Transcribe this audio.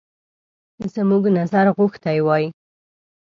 زموږ نظر غوښتی وای.